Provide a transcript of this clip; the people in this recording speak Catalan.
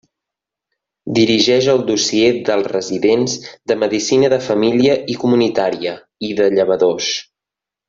Dirigeix el dossier dels residents de medicina de família i comunitària i de llevadors.